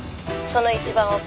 「その一番奥」